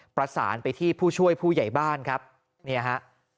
ประสานไปที่ผู้ช่วยผู้ใหญ่บ้านครับเนี่ยฮะ